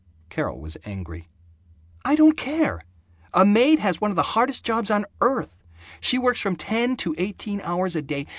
Carol was angry. "I don't care! A maid has one of the hardest jobs on earth. She works from ten to eighteen hours a day.